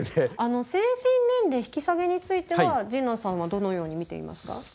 成人年齢引き下げについては神内さんはどのように見ていますか？